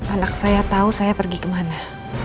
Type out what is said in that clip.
anak saya tahu saya pergi kemana